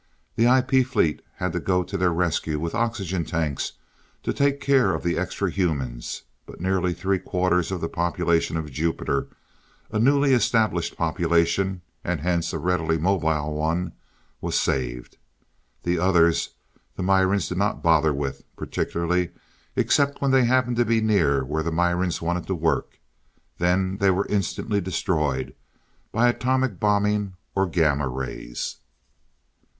The IP fleet had to go to their rescue with oxygen tanks to take care of the extra humans, but nearly three quarters of the population of Jupiter, a newly established population, and hence a readily mobile one, was saved. The others, the Mirans did not bother with particularly except when they happened to be near where the Mirans wanted to work. Then they were instantly destroyed by atomic bombing, or gamma rays.